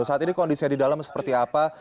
saat ini kondisinya di dalam seperti apa